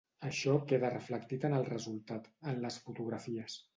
Això queda reflectit en el resultat, en les fotografies.